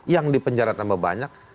yang di penjara tambah banyak